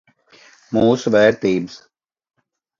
Mūsu vērtības.